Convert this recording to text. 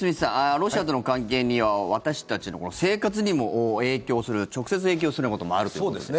ロシアとの関係には私たちの生活にも影響する直接影響するようなこともあるということですが。